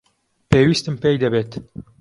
پێویستم پێی دەبێت.